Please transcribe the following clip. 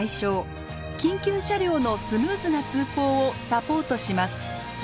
緊急車両のスムーズな通行をサポートします。